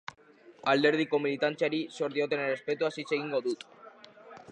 Alderdiko militantziari zor dioten errespetuaz hitz egingo dut.